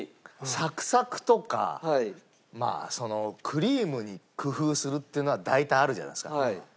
サクサクとかまあそのクリームに工夫するっていうのは大体あるじゃないですか。